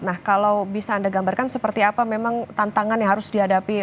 nah kalau bisa anda gambarkan seperti apa memang tantangan yang harus dihadapi